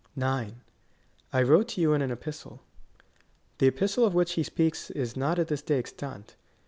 9. I wrote to you in an epistle. The epistle of which he speaks is not at this day extant.